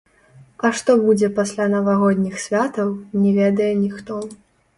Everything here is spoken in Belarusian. А што будзе пасля навагодніх святаў, не ведае ніхто.